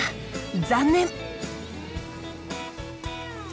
残念。